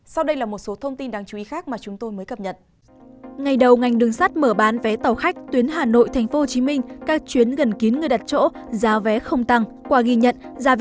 sau đây là một số thông tin đáng chú ý khác mà chúng tôi mới cập nhật